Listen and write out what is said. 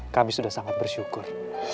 kami sudah sangat bersyukur